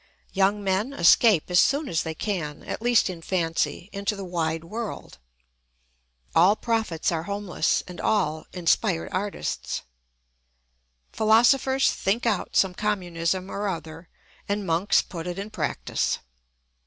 Young men escape as soon as they can, at least in fancy, into the wide world; all prophets are homeless and all inspired artists; philosophers think out some communism or other, and monks put it in practice.